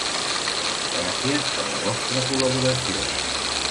Gràcies per la vostra col·laboració.